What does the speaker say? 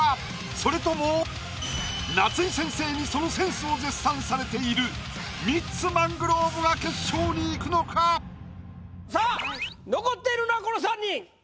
それとも夏井先生にそのセンスを絶賛されているミッツ・マングローブが決勝に行くのか⁉さあ残っているのはこの３人。